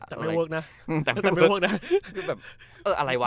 จากไม่เวิร์กน่ะอย่างแบบเอออะไรวะ